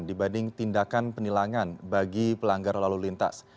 dibanding tindakan penilangan bagi pelanggar lalu lintas